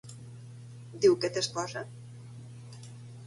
Diu que té esposa?